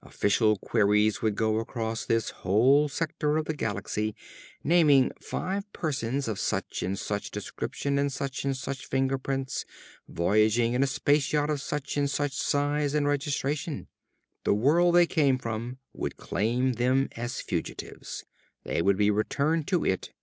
Official queries would go across this whole sector of the galaxy, naming five persons of such and such description and such and such fingerprints, voyaging in a space yacht of such and such size and registration. The world they came from would claim them as fugitives. They would be returned to it.